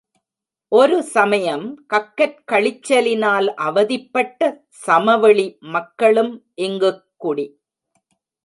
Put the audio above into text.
ஒரு சமயம் கக்கற்கழிச்ச லினால் அவதிப்பட்ட சமவெளி மக்களும் இங்குக் குடி.